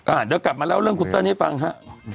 เดี๋ยวกลับมาเล่าเรื่องคุณเติ้ลให้ฟังฮะ